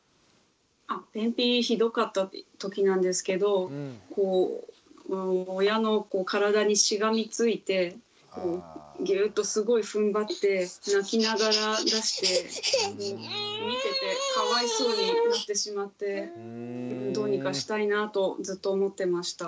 あ便秘ひどかった時なんですけど親の体にしがみついてギューッとすごいふんばって泣きながら出して見ててかわいそうになってしまってどうにかしたいなとずっと思ってました。